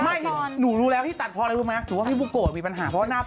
ตัดอยู่แล้วหวะคนดูไหมรู้ว่าภูทมีบัญหาเพราะจะไม่มา